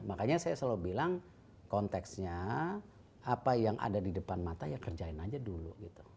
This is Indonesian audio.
makanya saya selalu bilang konteksnya apa yang ada di depan mata ya kerjain aja dulu gitu